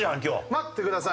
待ってください！